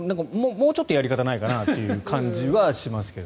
もうちょっとやり方ないのかなという感じはしますけど。